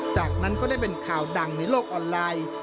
จากนั้นก็ได้เป็นข่าวดังในโลกออนไลน์